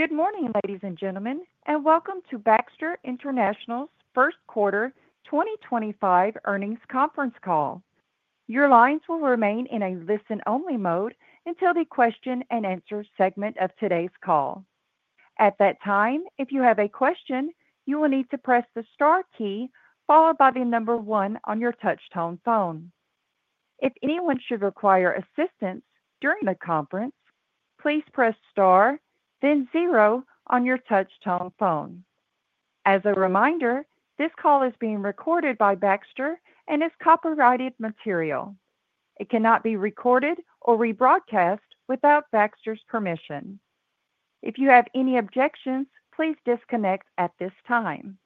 Good morning, ladies and gentlemen, and welcome to Baxter International's first quarter 2025 earnings conference call. Your lines will remain in a listen-only mode until the question-and-answer segment of today's call. At that time, if you have a question, you will need to press the star key followed by the number one on your touch-tone phone. If anyone should require assistance during the conference, please press star, then zero on your touch-tone phone. As a reminder, this call is being recorded by Baxter and is copyrighted material. It cannot be recorded or rebroadcast without Baxter's permission. If you have any objections, please disconnect at this time.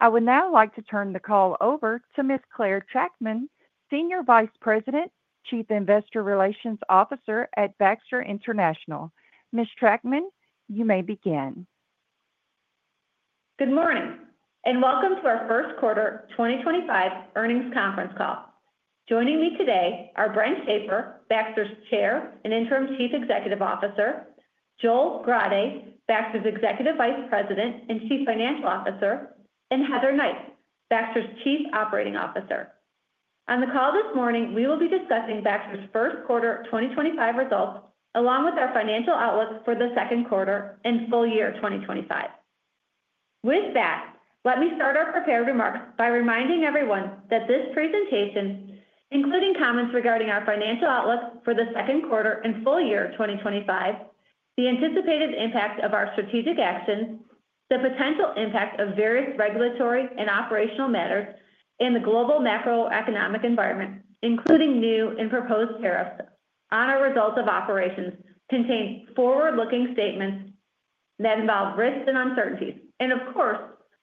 I would now like to turn the call over to Ms. Clare Trachtman, Senior Vice President, Chief Investor Relations Officer at Baxter International. Ms. Trachtman, you may begin. Good morning and welcome to our first quarter 2025 earnings conference call. Joining me today are Brent Shafer, Baxter's Chair and interim Chief Executive Officer; Joel Grade, Baxter's Executive Vice President and Chief Financial Officer; and Heather Knight, Baxter's Chief Operating Officer. On the call this morning, we will be discussing Baxter's first quarter 2025 results along with our financial outlook for the second quarter and full year 2025. With that, let me start our prepared remarks by reminding everyone that this presentation, including comments regarding our financial outlook for the second quarter and full year 2025, the anticipated impact of our strategic actions, the potential impact of various regulatory and operational matters, and the global macroeconomic environment, including new and proposed tariffs on our results of operations, contain forward-looking statements that involve risks and uncertainties. Of course,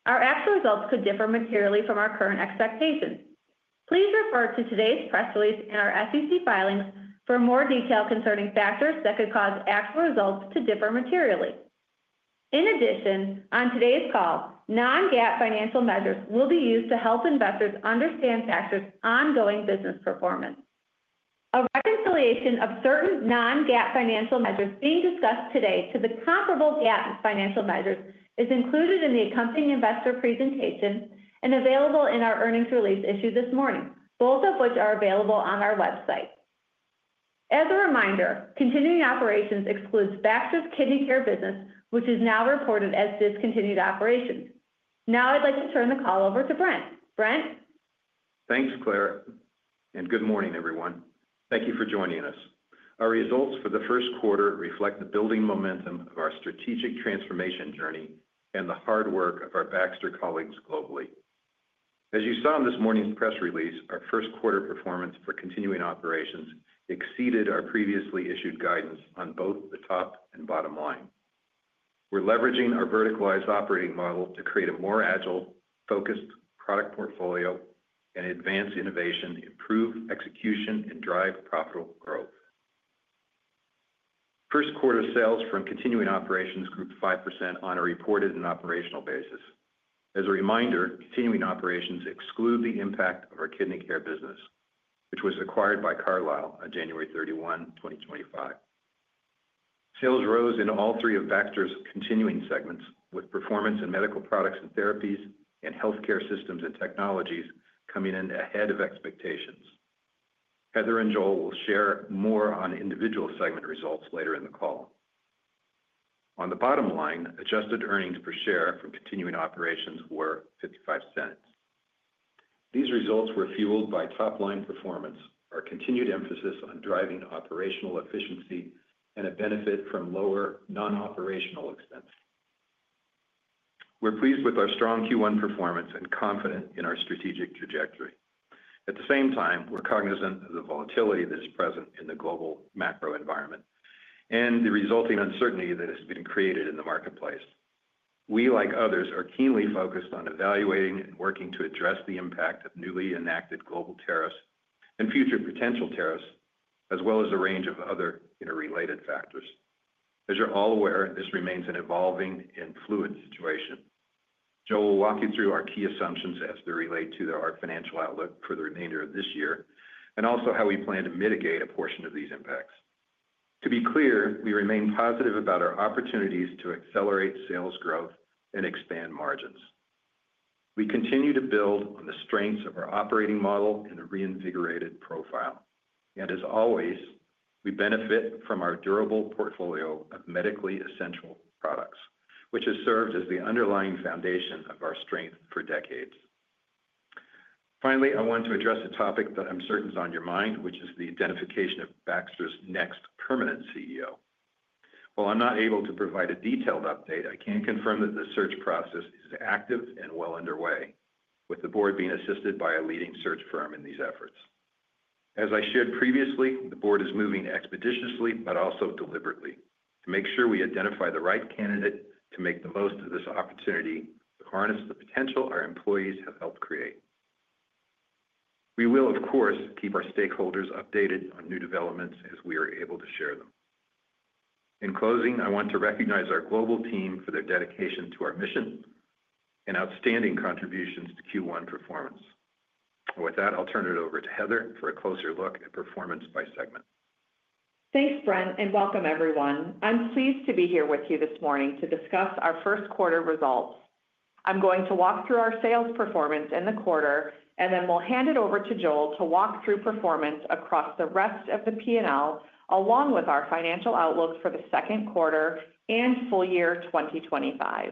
our actual results could differ materially from our current expectations. Please refer to today's press release and our SEC filings for more detail concerning factors that could cause actual results to differ materially. In addition, on today's call, non-GAAP financial measures will be used to help investors understand Baxter's ongoing business performance. A reconciliation of certain non-GAAP financial measures being discussed today to the comparable GAAP financial measures is included in the accompanying investor presentation and available in our earnings release issued this morning, both of which are available on our website. As a reminder, continuing operations excludes Baxter's kidney care business, which is now reported as discontinued operations. Now I'd like to turn the call over to Brent. Brent. Thanks, Claire, and good morning, everyone. Thank you for joining us. Our results for the first quarter reflect the building momentum of our strategic transformation journey and the hard work of our Baxter colleagues globally. As you saw in this morning's press release, our first quarter performance for continuing operations exceeded our previously issued guidance on both the top and bottom line. We're leveraging our verticalized operating model to create a more agile, focused product portfolio and advance innovation, improve execution, and drive profitable growth. First quarter sales from continuing operations grew 5% on a reported and operational basis. As a reminder, continuing operations exclude the impact of our kidney care business, which was acquired by Carlyle on January 31, 2025. Sales rose in all three of Baxter's continuing segments, with performance in Medical Products & Therapies, and Healthcare Systems & Technologies coming in ahead of expectations. Heather and Joel will share more on individual segment results later in the call. On the bottom line, adjusted earnings per share from continuing operations were $0.55. These results were fueled by top-line performance, our continued emphasis on driving operational efficiency, and a benefit from lower non-operational expenses. We're pleased with our strong Q1 performance and confident in our strategic trajectory. At the same time, we're cognizant of the volatility that is present in the global macro environment and the resulting uncertainty that has been created in the marketplace. We, like others, are keenly focused on evaluating and working to address the impact of newly enacted global tariffs and future potential tariffs, as well as a range of other interrelated factors. As you're all aware, this remains an evolving and fluid situation. Joel will walk you through our key assumptions as they relate to our financial outlook for the remainder of this year and also how we plan to mitigate a portion of these impacts. To be clear, we remain positive about our opportunities to accelerate sales growth and expand margins. We continue to build on the strengths of our operating model and the reinvigorated profile. As always, we benefit from our durable portfolio of medically essential products, which has served as the underlying foundation of our strength for decades. Finally, I want to address a topic that I'm certain is on your mind, which is the identification of Baxter's next permanent CEO. While I'm not able to provide a detailed update, I can confirm that the search process is active and well underway, with the board being assisted by a leading search firm in these efforts. As I shared previously, the board is moving expeditiously, but also deliberately, to make sure we identify the right candidate to make the most of this opportunity to harness the potential our employees have helped create. We will, of course, keep our stakeholders updated on new developments as we are able to share them. In closing, I want to recognize our global team for their dedication to our mission and outstanding contributions to Q1 performance. With that, I'll turn it over to Heather for a closer look at performance by segment. Thanks, Brent, and welcome, everyone. I'm pleased to be here with you this morning to discuss our first quarter results. I'm going to walk through our sales performance in the quarter, and then we'll hand it over to Joel to walk through performance across the rest of the P&L along with our financial outlook for the second quarter and full year 2025.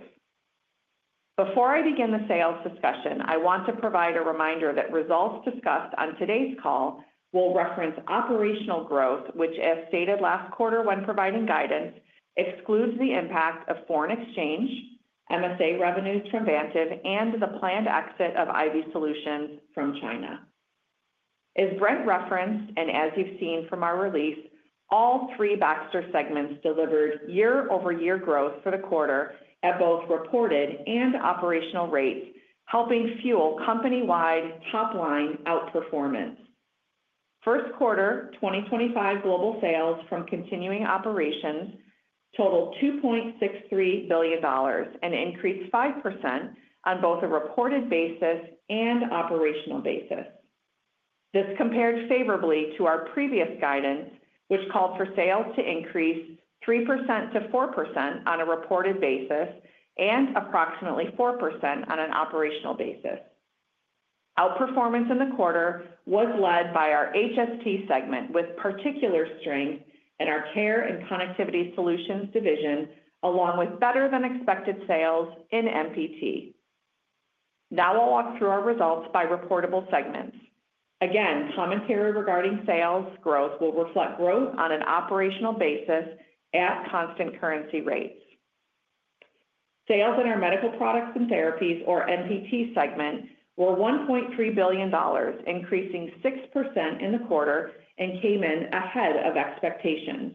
Before I begin the sales discussion, I want to provide a reminder that results discussed on today's call will reference operational growth, which, as stated last quarter when providing guidance, excludes the impact of foreign exchange, MSA revenues from Vantiv, and the planned exit of IV Solutions from China. As Brent referenced, and as you've seen from our release, all three Baxter segments delivered year-over-year growth for the quarter at both reported and operational rates, helping fuel company-wide top-line outperformance. First quarter 2025 global sales from continuing operations totaled $2.63 billion and increased 5% on both a reported basis and operational basis. This compared favorably to our previous guidance, which called for sales to increase 3%-4% on a reported basis and approximately 4% on an operational basis. Outperformance in the quarter was led by our HST segment with particular strength in our care and connectivity solutions division, along with better-than-expected sales in MPT. Now I'll walk through our results by reportable segments. Again, commentary regarding sales growth will reflect growth on an operational basis at constant currency rates. Sales in our Medical Products & Therapies, or MPT segment, were $1.3 billion, increasing 6% in the quarter and came in ahead of expectations.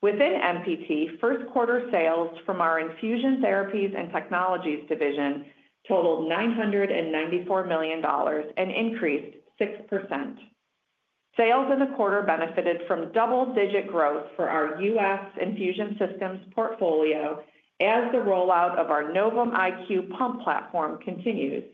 Within MPT, first quarter sales from our Infusion Therapies and Technologies division totaled $994 million and increased 6%. Sales in the quarter benefited from double-digit growth for our U.S. infusion systems portfolio as the rollout of our Novum IQ pump platform continues.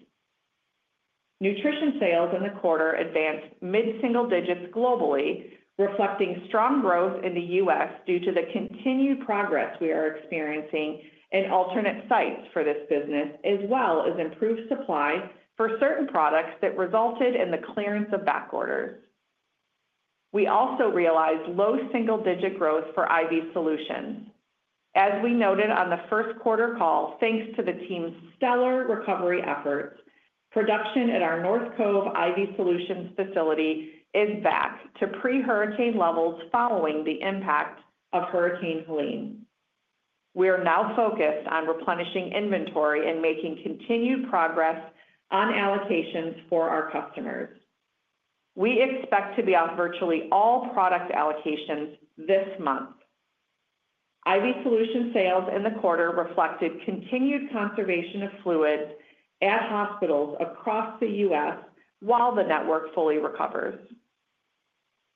Nutrition sales in the quarter advanced mid-single digits globally, reflecting strong growth in the U.S. due to the continued progress we are experiencing in alternate sites for this business, as well as improved supply for certain products that resulted in the clearance of backorders. We also realized low single-digit growth for IV Solutions. As we noted on the first quarter call, thanks to the team's stellar recovery efforts, production at our North Cove IV Solutions facility is back to pre-hurricane levels following the impact of Hurricane Helene. We are now focused on replenishing inventory and making continued progress on allocations for our customers. We expect to be off virtually all product allocations this month. IV Solution sales in the quarter reflected continued conservation of fluids at hospitals across the U.S. while the network fully recovers.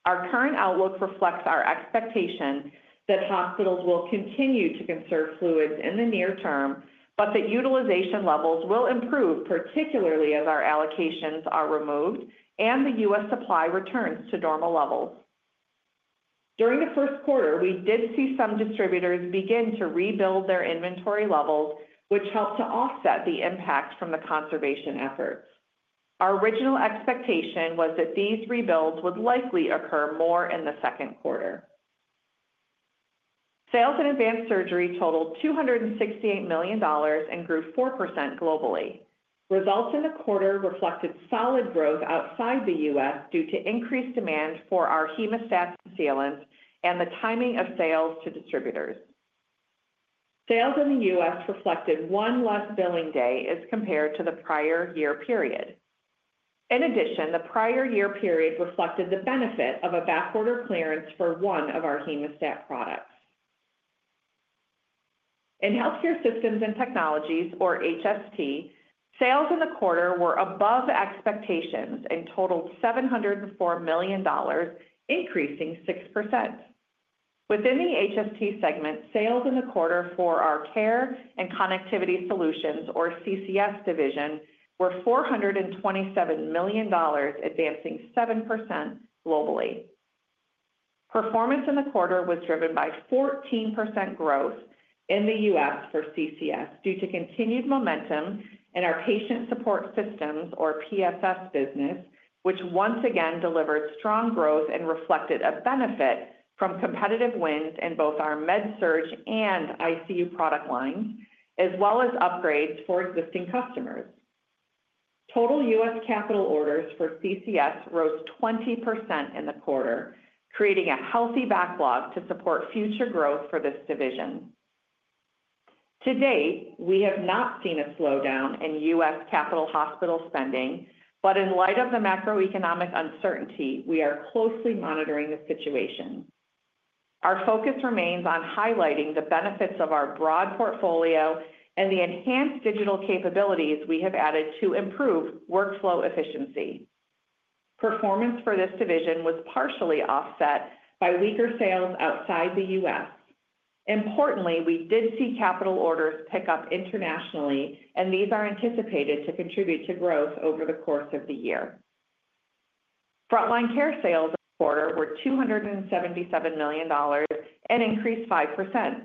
Our current outlook reflects our expectation that hospitals will continue to conserve fluids in the near term, but that utilization levels will improve, particularly as our allocations are removed and the U.S. supply returns to normal levels. During the first quarter, we did see some distributors begin to rebuild their inventory levels, which helped to offset the impact from the conservation efforts. Our original expectation was that these rebuilds would likely occur more in the second quarter. Sales in Advanced Surgery totaled $268 million and grew 4% globally. Results in the quarter reflected solid growth outside the U.S. due to increased demand for our hemostat sealants and the timing of sales to distributors. Sales in the U.S. reflected one less billing day as compared to the prior year period. In addition, the prior year period reflected the benefit of a backorder clearance for one of our hemostat products. In Healthcare Systems & Technologies, or HST, sales in the quarter were above expectations and totaled $704 million, increasing 6%. Within the HST segment, sales in the quarter for our Care and Connectivity Solutions, or CCS division, were $427 million, advancing 7% globally. Performance in the quarter was driven by 14% growth in the U.S. for CCS due to continued momentum in our Patient Support Systems, or PSS business, which once again delivered strong growth and reflected a benefit from competitive wins in both our Med Surge and ICU product lines, as well as upgrades for existing customers. Total U.S. capital orders for CCS rose 20% in the quarter, creating a healthy backlog to support future growth for this division. To date, we have not seen a slowdown in the U.S. Capital hospital spending, but in light of the macroeconomic uncertainty, we are closely monitoring the situation. Our focus remains on highlighting the benefits of our broad portfolio and the enhanced digital capabilities we have added to improve workflow efficiency. Performance for this division was partially offset by weaker sales outside the U.S. Importantly, we did see capital orders pick up internationally, and these are anticipated to contribute to growth over the course of the year. Frontline Care sales in the quarter were $277 million and increased 5%.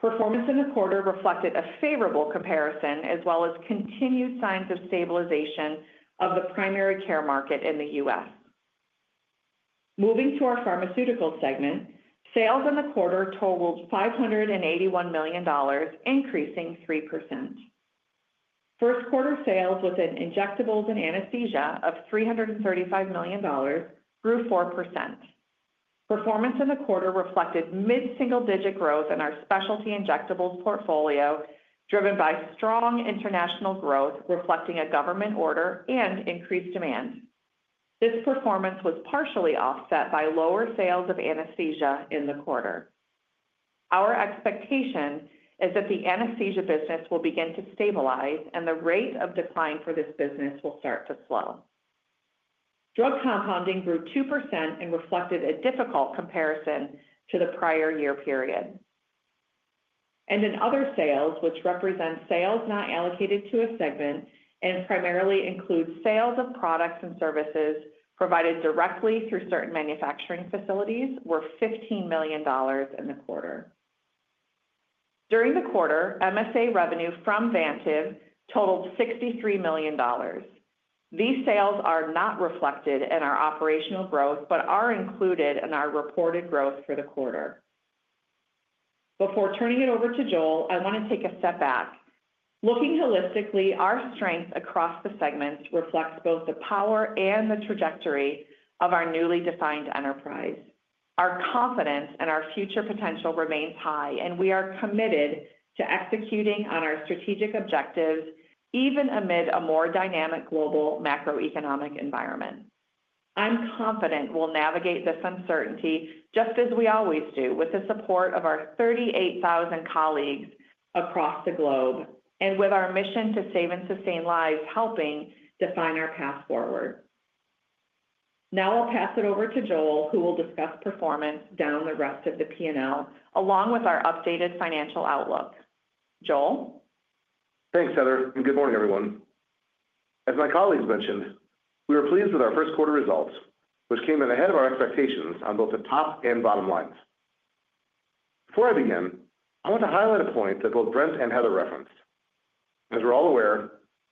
Performance in the quarter reflected a favorable comparison, as well as continued signs of stabilization of the primary care market in the U.S. Moving to our pharmaceutical segment, sales in the quarter totaled $581 million, increasing 3%. First quarter sales within injectables and anesthesia of $335 million grew 4%. Performance in the quarter reflected mid-single-digit growth in our specialty injectables portfolio, driven by strong international growth reflecting a government order and increased demand. This performance was partially offset by lower sales of anesthesia in the quarter. Our expectation is that the anesthesia business will begin to stabilize and the rate of decline for this business will start to slow. Drug compounding grew 2% and reflected a difficult comparison to the prior year period. In other sales, which represents sales not allocated to a segment and primarily includes sales of products and services provided directly through certain manufacturing facilities, were $15 million in the quarter. During the quarter, MSA revenue from Vantiv totaled $63 million. These sales are not reflected in our operational growth, but are included in our reported growth for the quarter. Before turning it over to Joel, I want to take a step back. Looking holistically, our strength across the segments reflects both the power and the trajectory of our newly defined enterprise. Our confidence in our future potential remains high, and we are committed to executing on our strategic objectives even amid a more dynamic global macroeconomic environment. I'm confident we'll navigate this uncertainty just as we always do with the support of our 38,000 colleagues across the globe and with our mission to save and sustain lives helping define our path forward. Now I'll pass it over to Joel, who will discuss performance down the rest of the P&L along with our updated financial outlook. Joel? Thanks, Heather, and good morning, everyone. As my colleagues mentioned, we were pleased with our first quarter results, which came in ahead of our expectations on both the top and bottom lines. Before I begin, I want to highlight a point that both Brent and Heather referenced. As we're all aware,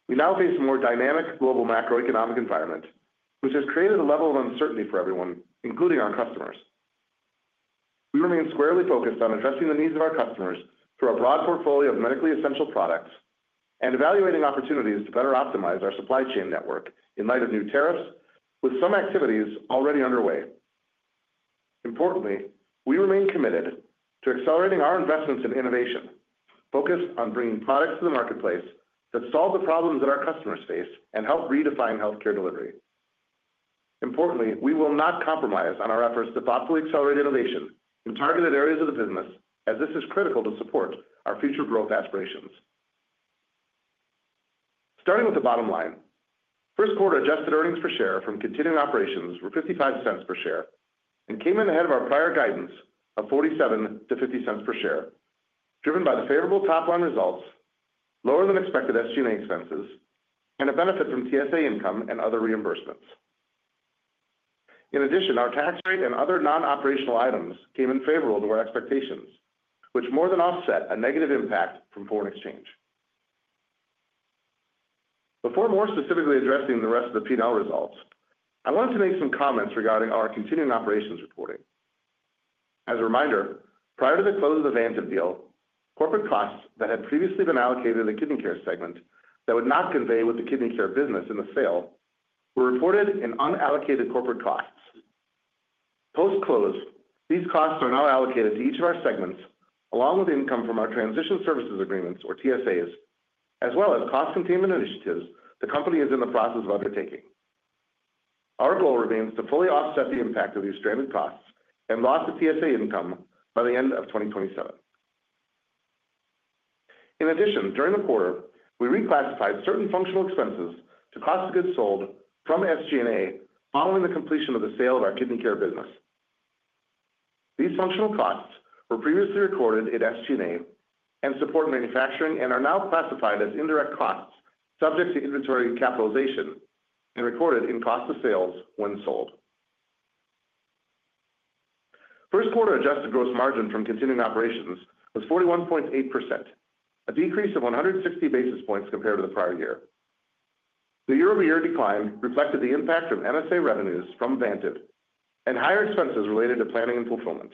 we now face a more dynamic global macroeconomic environment, which has created a level of uncertainty for everyone, including our customers. We remain squarely focused on addressing the needs of our customers through our broad portfolio of medically essential products and evaluating opportunities to better optimize our supply chain network in light of new tariffs, with some activities already underway. Importantly, we remain committed to accelerating our investments in innovation, focused on bringing products to the marketplace that solve the problems that our customers face and help redefine healthcare delivery. Importantly, we will not compromise on our efforts to thoughtfully accelerate innovation in targeted areas of the business, as this is critical to support our future growth aspirations. Starting with the bottom line, first quarter adjusted earnings per share from continuing operations were $0.55 per share and came in ahead of our prior guidance of $0.47-$0.50 per share, driven by the favorable top-line results, lower than expected SG&A expenses, and a benefit from TSA income and other reimbursements. In addition, our tax rate and other non-operational items came in favorable to our expectations, which more than offset a negative impact from foreign exchange. Before more specifically addressing the rest of the P&L results, I wanted to make some comments regarding our continuing operations reporting. As a reminder, prior to the close of the Vantiv deal, corporate costs that had previously been allocated in the kidney care segment that would not convey with the kidney care business in the sale were reported in unallocated corporate costs. Post-close, these costs are now allocated to each of our segments, along with income from our transition services agreements, or TSAs, as well as cost containment initiatives the company is in the process of undertaking. Our goal remains to fully offset the impact of these stranded costs and loss of TSA income by the end of 2027. In addition, during the quarter, we reclassified certain functional expenses to cost of goods sold from SG&A following the completion of the sale of our kidney care business. These functional costs were previously recorded in SG&A and support manufacturing and are now classified as indirect costs subject to inventory capitalization and recorded in cost of sales when sold. First quarter adjusted gross margin from continuing operations was 41.8%, a decrease of 160 basis points compared to the prior year. The year-over-year decline reflected the impact of MSA revenues from Vantiv and higher expenses related to planning and fulfillment.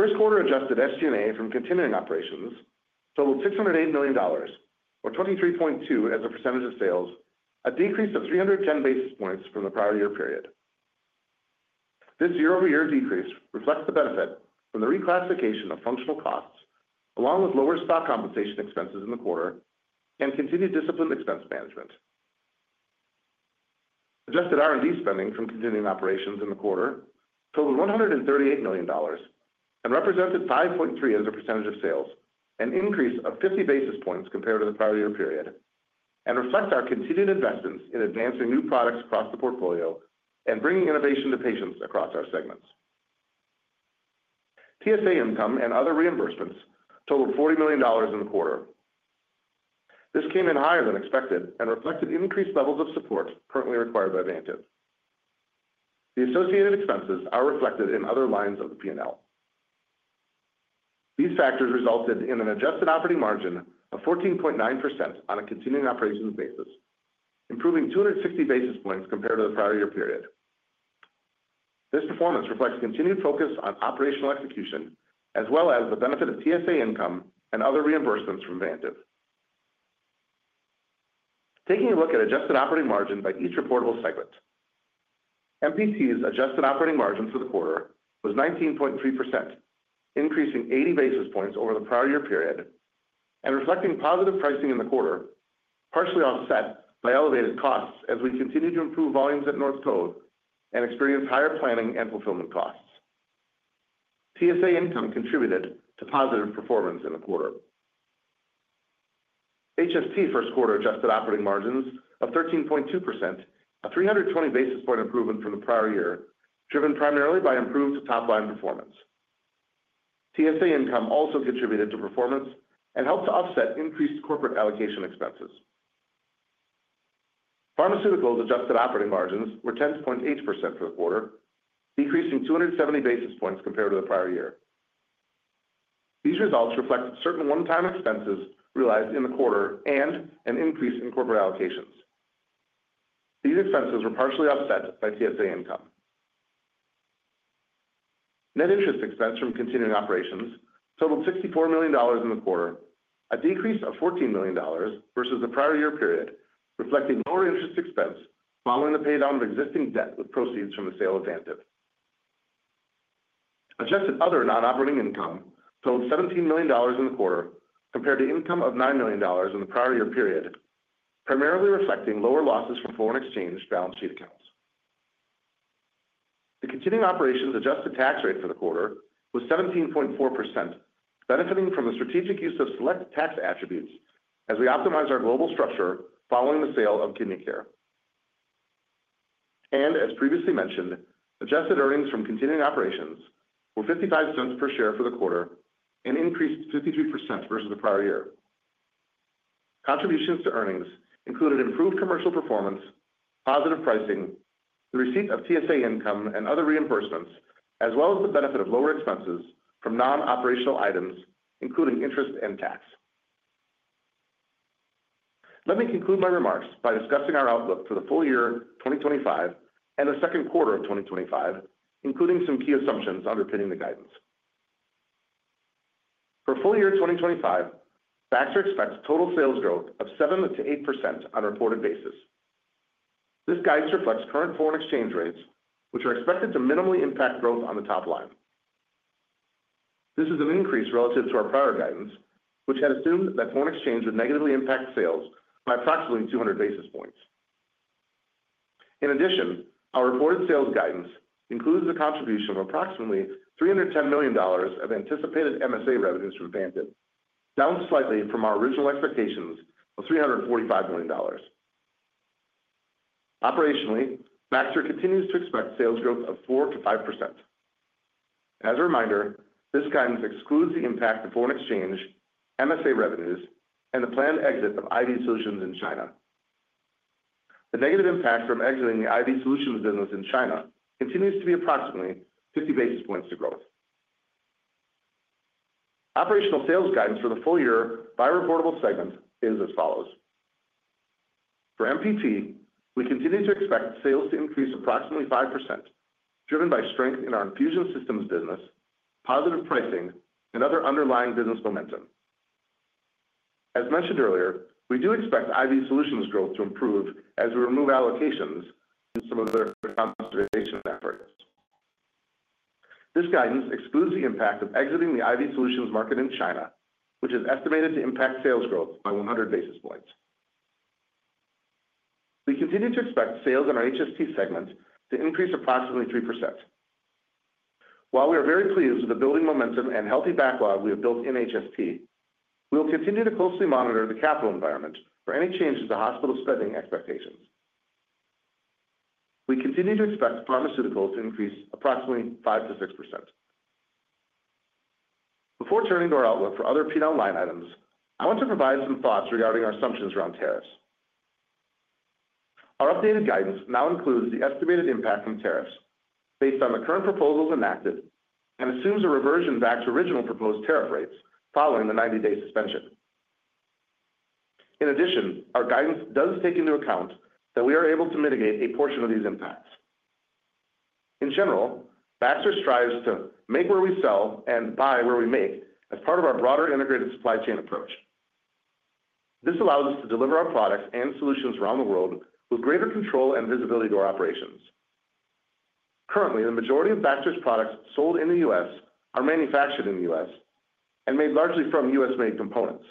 First quarter adjusted SG&A from continuing operations totaled $608 million, or 23.2% as a percentage of sales, a decrease of 310 basis points from the prior year period. This year-over-year decrease reflects the benefit from the reclassification of functional costs, along with lower stock compensation expenses in the quarter and continued discipline expense management. Adjusted R&D spending from continuing operations in the quarter totaled $138 million and represented 5.3% as a percentage of sales, an increase of 50 basis points compared to the prior year period, and reflects our continued investments in advancing new products across the portfolio and bringing innovation to patients across our segments. TSA income and other reimbursements totaled $40 million in the quarter. This came in higher than expected and reflected increased levels of support currently required by Vantiv. The associated expenses are reflected in other lines of the P&L. These factors resulted in an adjusted operating margin of 14.9% on a continuing operations basis, improving 260 basis points compared to the prior year period. This performance reflects continued focus on operational execution, as well as the benefit of TSA income and other reimbursements from Vantiv. Taking a look at adjusted operating margin by each reportable segment, MPT's adjusted operating margin for the quarter was 19.3%, increasing 80 basis points over the prior year period and reflecting positive pricing in the quarter, partially offset by elevated costs as we continue to improve volumes at North Cove and experience higher planning and fulfillment costs. TSA income contributed to positive performance in the quarter. HST first quarter adjusted operating margins of 13.2%, a 320 basis point improvement from the prior year, driven primarily by improved top-line performance. TSA income also contributed to performance and helped to offset increased corporate allocation expenses. Pharmaceuticals adjusted operating margins were 10.8% for the quarter, decreasing 270 basis points compared to the prior year. These results reflect certain one-time expenses realized in the quarter and an increase in corporate allocations. These expenses were partially offset by TSA income. Net interest expense from continuing operations totaled $64 million in the quarter, a decrease of $14 million versus the prior year period, reflecting lower interest expense following the pay down of existing debt with proceeds from the sale of Vantiv. Adjusted other non-operating income totaled $17 million in the quarter compared to income of $9 million in the prior year period, primarily reflecting lower losses from foreign exchange balance sheet accounts. The continuing operations adjusted tax rate for the quarter was 17.4%, benefiting from the strategic use of select tax attributes as we optimize our global structure following the sale of kidney care. As previously mentioned, adjusted earnings from continuing operations were $0.55 per share for the quarter and increased 53% versus the prior year. Contributions to earnings included improved commercial performance, positive pricing, the receipt of TSA income and other reimbursements, as well as the benefit of lower expenses from non-operational items, including interest and tax. Let me conclude my remarks by discussing our outlook for the full year 2025 and the second quarter of 2025, including some key assumptions underpinning the guidance. For full year 2025, Baxter expects total sales growth of 7-8% on a reported basis. This guidance reflects current foreign exchange rates, which are expected to minimally impact growth on the top line. This is an increase relative to our prior guidance, which had assumed that foreign exchange would negatively impact sales by approximately 200 basis points. In addition, our reported sales guidance includes the contribution of approximately $310 million of anticipated MSA revenues from Vantiv, down slightly from our original expectations of $345 million. Operationally, Baxter continues to expect sales growth of 4-5%. As a reminder, this guidance excludes the impact of foreign exchange, MSA revenues, and the planned exit of IV Solutions in China. The negative impact from exiting the IV Solutions business in China continues to be approximately 50 basis points to growth. Operational sales guidance for the full year by reportable segment is as follows. For MPT, we continue to expect sales to increase approximately 5%, driven by strength in our infusion systems business, positive pricing, and other underlying business momentum. As mentioned earlier, we do expect IV Solutions growth to improve as we remove allocations from some of their compensation efforts. This guidance excludes the impact of exiting the IV Solutions market in China, which is estimated to impact sales growth by 100 basis points. We continue to expect sales in our HST segment to increase approximately 3%. While we are very pleased with the building momentum and healthy backlog we have built in HST, we will continue to closely monitor the capital environment for any changes to hospital spending expectations. We continue to expect pharmaceuticals to increase approximately 5-6%. Before turning to our outlook for other P&L line items, I want to provide some thoughts regarding our assumptions around tariffs. Our updated guidance now includes the estimated impact from tariffs based on the current proposals enacted and assumes a reversion back to original proposed tariff rates following the 90-day suspension. In addition, our guidance does take into account that we are able to mitigate a portion of these impacts. In general, Baxter strives to make where we sell and buy where we make as part of our broader integrated supply chain approach. This allows us to deliver our products and solutions around the world with greater control and visibility to our operations. Currently, the majority of Baxter's products sold in the U.S. are manufactured in the U.S. and made largely from U.S.-made components.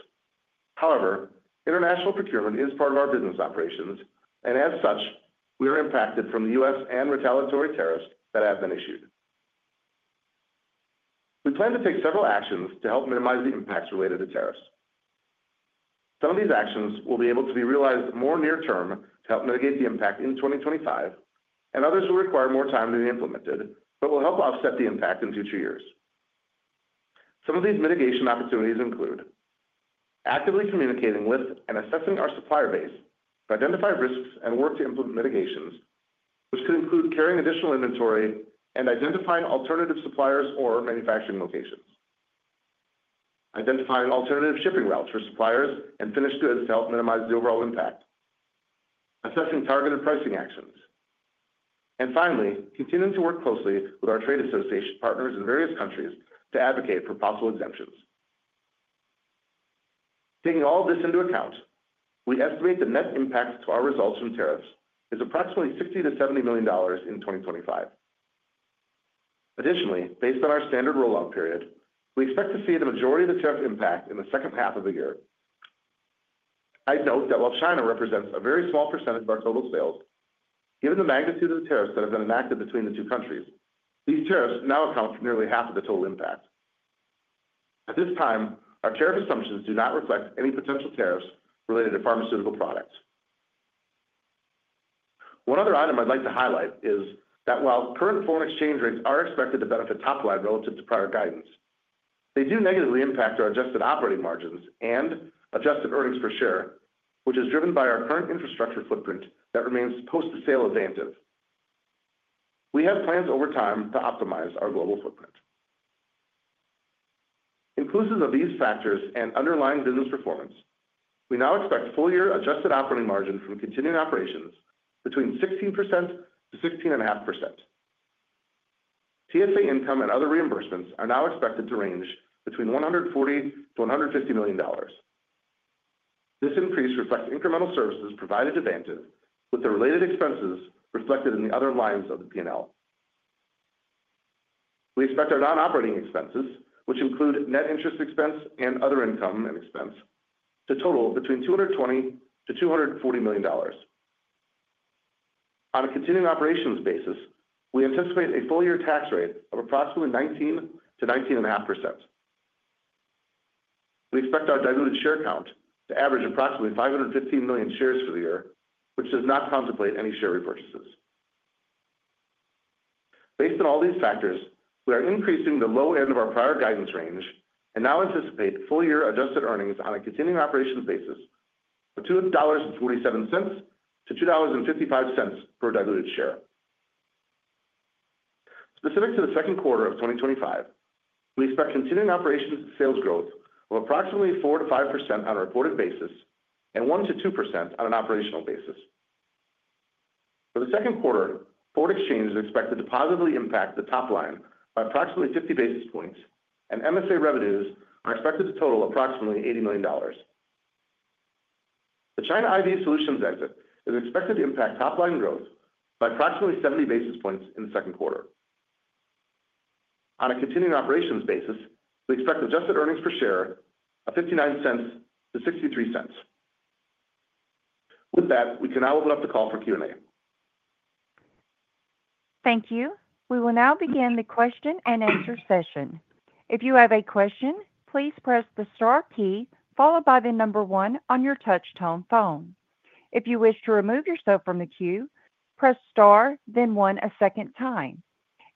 However, international procurement is part of our business operations, and as such, we are impacted from the U.S. and retaliatory tariffs that have been issued. We plan to take several actions to help minimize the impacts related to tariffs. Some of these actions will be able to be realized more near-term to help mitigate the impact in 2025, and others will require more time to be implemented, but will help offset the impact in future years. Some of these mitigation opportunities include actively communicating with and assessing our supplier base to identify risks and work to implement mitigations, which could include carrying additional inventory and identifying alternative suppliers or manufacturing locations, identifying alternative shipping routes for suppliers and finished goods to help minimize the overall impact, assessing targeted pricing actions, and finally, continuing to work closely with our trade association partners in various countries to advocate for possible exemptions. Taking all of this into account, we estimate the net impact to our results from tariffs is approximately $60-$70 million in 2025. Additionally, based on our standard rollout period, we expect to see the majority of the tariff impact in the second half of the year. I'd note that while China represents a very small percentage of our total sales, given the magnitude of the tariffs that have been enacted between the two countries, these tariffs now account for nearly half of the total impact. At this time, our tariff assumptions do not reflect any potential tariffs related to pharmaceutical products. One other item I'd like to highlight is that while current foreign exchange rates are expected to benefit top-line relative to prior guidance, they do negatively impact our adjusted operating margins and adjusted earnings per share, which is driven by our current infrastructure footprint that remains post-sale of Vantiv. We have plans over time to optimize our global footprint. Inclusive of these factors and underlying business performance, we now expect full-year adjusted operating margin from continuing operations between 16%-16.5%. TSA income and other reimbursements are now expected to range between $140-$150 million. This increase reflects incremental services provided to Vantiv, with the related expenses reflected in the other lines of the P&L. We expect our non-operating expenses, which include net interest expense and other income and expense, to total between $220-$240 million. On a continuing operations basis, we anticipate a full-year tax rate of approximately 19-19.5%. We expect our diluted share count to average approximately 515 million shares for the year, which does not contemplate any share repurchases. Based on all these factors, we are increasing the low end of our prior guidance range and now anticipate full-year adjusted earnings on a continuing operations basis of $2.47-$2.55 per diluted share. Specific to the second quarter of 2025, we expect continuing operations sales growth of approximately 4-5% on a reported basis and 1-2% on an operational basis. For the second quarter, foreign exchange is expected to positively impact the top line by approximately 50 basis points, and MSA revenues are expected to total approximately $80 million. The China IV Solutions exit is expected to impact top line growth by approximately 70 basis points in the second quarter. On a continuing operations basis, we expect adjusted earnings per share of $0.59-$0.63. With that, we can now open up the call for Q&A. Thank you. We will now begin the question and answer session. If you have a question, please press the star key followed by the number one on your touch-tone phone. If you wish to remove yourself from the queue, press star, then one a second time.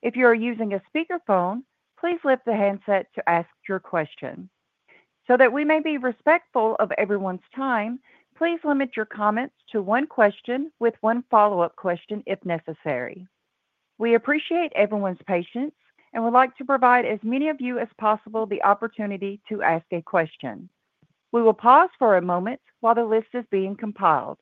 If you are using a speakerphone, please lift the handset to ask your question. So that we may be respectful of everyone's time, please limit your comments to one question with one follow-up question if necessary. We appreciate everyone's patience and would like to provide as many of you as possible the opportunity to ask a question. We will pause for a moment while the list is being compiled.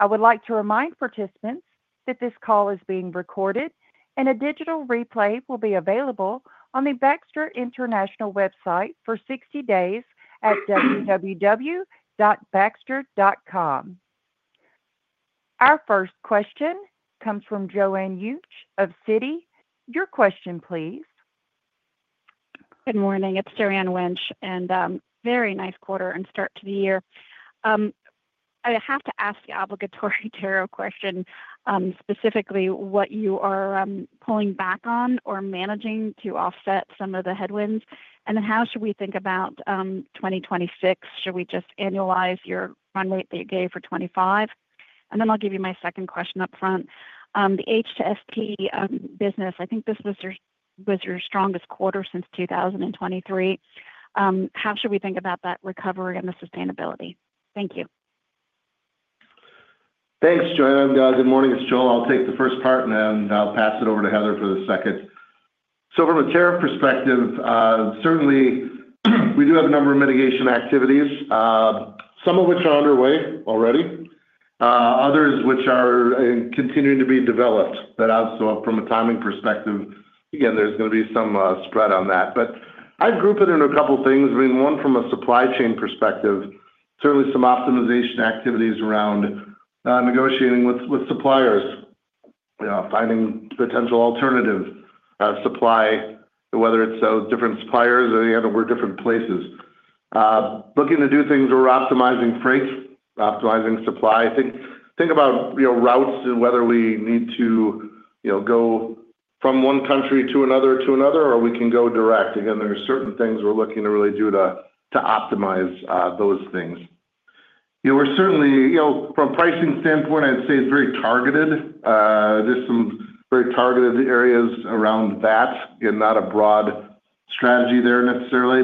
I would like to remind participants that this call is being recorded and a digital replay will be available on the Baxter International website for 60 days at www.baxter.com. Our first question comes from Joanne Wuensch of Citi. Your question, please. Good morning. It's Joanne Wuensch, and very nice quarter and start to the year. I have to ask the obligatory tariff question, specifically what you are pulling back on or managing to offset some of the headwinds, and then how should we think about 2026? Should we just annualize your run rate that you gave for 2025? And then I'll give you my second question up front. The HST business, I think this was your strongest quarter since 2023. How should we think about that recovery and the sustainability? Thank you. Thanks, Joanne. Good morning. It's Joel. I'll take the first part, and I'll pass it over to Heather for the second. From a tariff perspective, certainly we do have a number of mitigation activities, some of which are underway already, others which are continuing to be developed. From a timing perspective, again, there's going to be some spread on that. I'd group it into a couple of things. I mean, one from a supply chain perspective, certainly some optimization activities around negotiating with suppliers, finding potential alternative supply, whether it's different suppliers or we're different places. Looking to do things where we're optimizing freight, optimizing supply. I think about routes and whether we need to go from one country to another to another, or we can go direct. Again, there are certain things we're looking to really do to optimize those things. Certainly, from a pricing standpoint, I'd say it's very targeted. There's some very targeted areas around that and not a broad strategy there necessarily.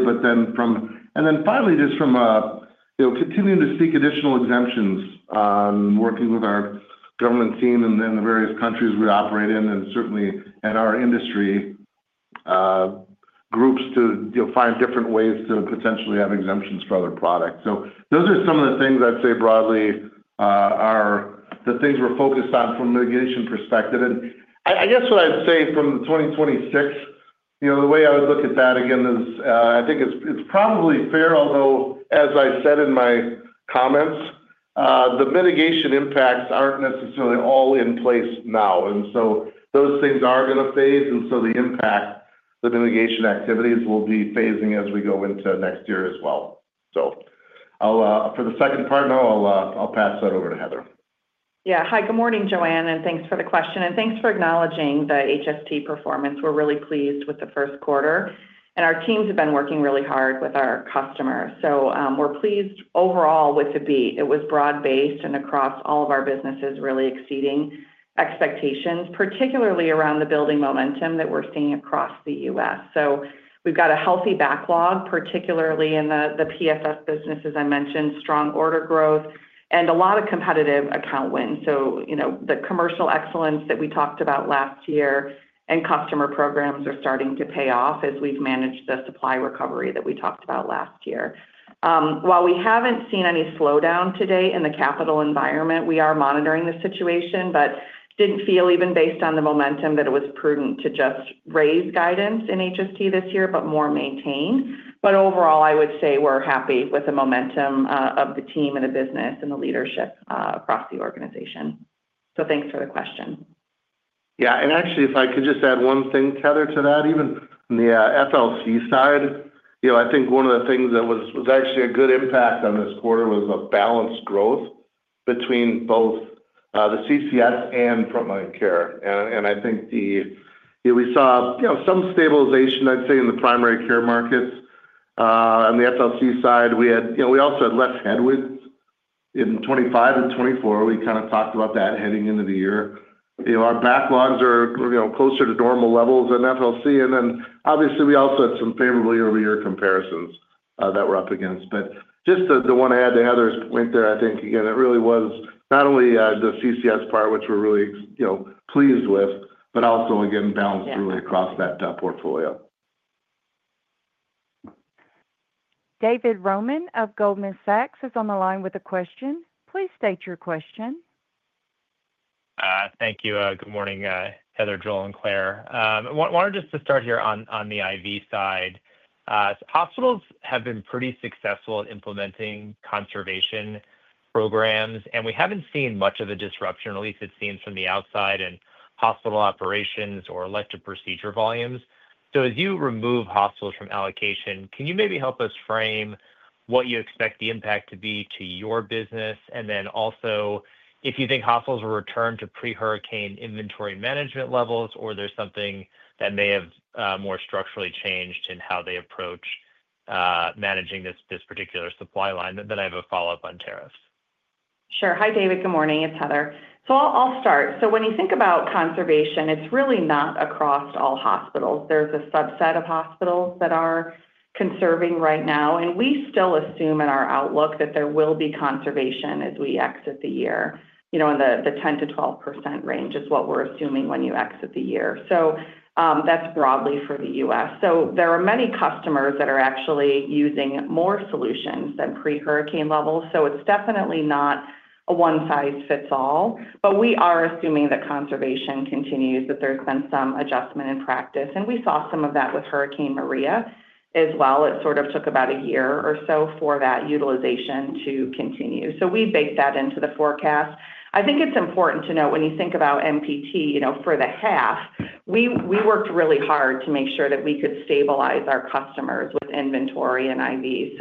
Finally, just from continuing to seek additional exemptions on working with our government team and the various countries we operate in and certainly in our industry groups to find different ways to potentially have exemptions for other products. Those are some of the things I'd say broadly are the things we're focused on from a mitigation perspective. I guess what I'd say from the 2026, the way I would look at that, again, is I think it's probably fair, although, as I said in my comments, the mitigation impacts aren't necessarily all in place now. Those things are going to phase. The impact, the mitigation activities will be phasing as we go into next year as well. For the second part now, I'll pass that over to Heather. Yeah. Hi, good morning, Joanne, and thanks for the question. Thanks for acknowledging the HST performance. We're really pleased with the first quarter, and our teams have been working really hard with our customers. We're pleased overall with the beat. It was broad-based and across all of our businesses, really exceeding expectations, particularly around the building momentum that we're seeing across the U.S. We have a healthy backlog, particularly in the PFS business, as I mentioned, strong order growth, and a lot of competitive account wins. The commercial excellence that we talked about last year and customer programs are starting to pay off as we've managed the supply recovery that we talked about last year. While we haven't seen any slowdown today in the capital environment, we are monitoring the situation, but did not feel, even based on the momentum, that it was prudent to just raise guidance in HST this year, but more maintained. Overall, I would say we're happy with the momentum of the team and the business and the leadership across the organization. Thanks for the question. Yeah. Actually, if I could99 just add one thing, Heather, to that, even on the FLC side, I think one of the things that was actually a good impact on this quarter was a balanced growth between both the CCS and frontline care. I think we saw some stabilization, I'd say, in the primary care markets. On the FLC side, we also had less headwinds in 2025 and 2024. We kind of talked about that heading into the year. Our backlogs are closer to normal levels in FLC. Obviously, we also had some favorable year-over-year comparisons that we're up against. Just to want to add to Heather's point there, I think, again, it really was not only the CCS part, which we're really pleased with, but also, again, balanced really across that portfolio. David Roman of Goldman Sachs is on the line with a question. Please state your question. Thank you. Good morning, Heather, Joel, and Claire. I wanted just to start here on the IV side. Hospitals have been pretty successful at implementing conservation programs, and we have not seen much of a disruption, at least it seems from the outside, in hospital operations or elective procedure volumes. As you remove hospitals from allocation, can you maybe help us frame what you expect the impact to be to your business? Also, if you think hospitals will return to pre-hurricane inventory management levels, or if there is something that may have more structurally changed in how they approach managing this particular supply line, I have a follow-up on tariffs. Sure. Hi, David. Good morning. It is Heather. I will start. When you think about conservation, it is really not across all hospitals. There is a subset of hospitals that are conserving right now. We still assume in our outlook that there will be conservation as we exit the year. The 10-12% range is what we're assuming when you exit the year. That's broadly for the U.S. There are many customers that are actually using more solutions than pre-hurricane levels. It's definitely not a one-size-fits-all. We are assuming that conservation continues, that there's been some adjustment in practice. We saw some of that with Hurricane Maria as well. It sort of took about a year or so for that utilization to continue. We baked that into the forecast. I think it's important to note when you think about MPT for the half, we worked really hard to make sure that we could stabilize our customers with inventory and IV.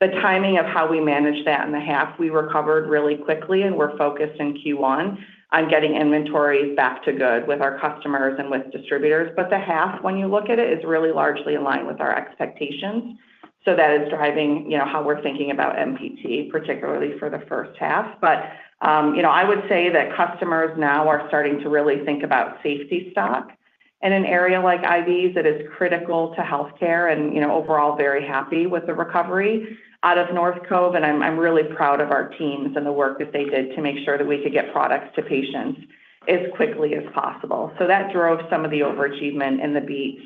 The timing of how we managed that in the half, we recovered really quickly, and we're focused in Q1 on getting inventories back to good with our customers and with distributors. The half, when you look at it, is really largely in line with our expectations. That is driving how we're thinking about MPT, particularly for the first half. I would say that customers now are starting to really think about safety stock in an area like IVs that is critical to healthcare and overall very happy with the recovery out of North Cove. I'm really proud of our teams and the work that they did to make sure that we could get products to patients as quickly as possible. That drove some of the overachievement in the beat